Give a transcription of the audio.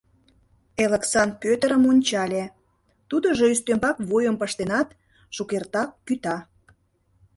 — Элыксан Пӧтырым ончале: тудыжо ӱстембак вуйым пыштенат, шукертак кӱта.